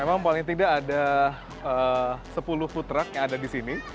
memang paling tidak ada sepuluh food truck yang ada di sini